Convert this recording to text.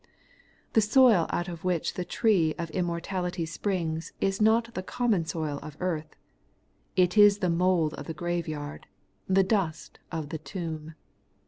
The soil out of which the tree of im mortality springs is not the common soil of earth ; it is the mould of the graveyard, the dust of the tomb.